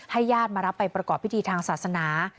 ญาติมารับไปประกอบพิธีทางศาสนา